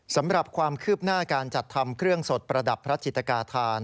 สำหรับความคืบหน้าการจัดทำเครื่องสดประดับพระจิตกาธาน